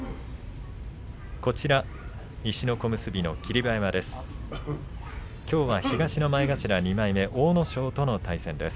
西の小結の霧馬山です。